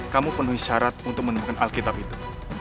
kamu penuhi syarat untuk menemukan alkitab itu